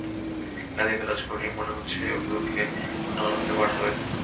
গালিগালাজ করেই মনে হচ্ছে ওগুলোকে নরকে পাঠাবে!